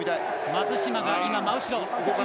松島が今真後ろ。